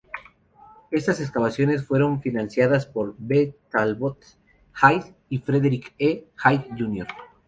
Estas excavaciones fueron financiadas por B. Talbot Hyde y Frederick E. Hyde, Jr.